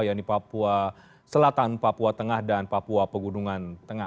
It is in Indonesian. yaitu papua selatan papua tengah dan papua pegunungan tengah